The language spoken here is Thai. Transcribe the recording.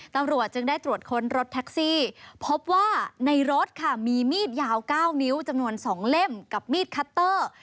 ตำรวจจึงได้ตรวจค้นรถแท็กซี่พบว่าในรถค่ะมีมีดยาว๙นิ้วจำนวน๒เล่มกับมีดคัตเตอร์